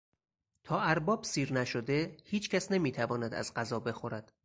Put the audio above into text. تا ارباب سیر نشده هیچکس نمیتواند از غذا بخورد.